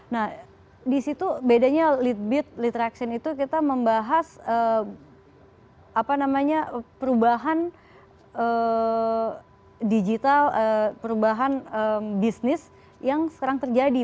nah di situ bedanya lit beat litraction itu kita membahas perubahan digital perubahan bisnis yang sekarang terjadi